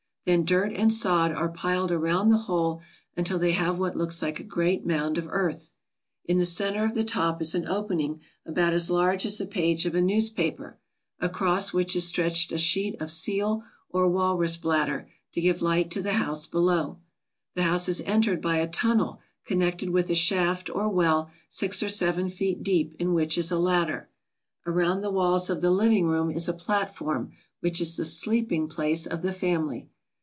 Then dirt and sod are piled around the hole until they have what looks like a great mound of earth. In the centre of the top is an opening about as large as the page of a newspaper, across which is stretched a sheet of seal or walrus bladder to give light to the house below. The house is entered by a tunnel connected with a shaft or well six or seven feet deep in which is a ladder. Around the walls of the living room is a platform, which is the sleeping place of the family.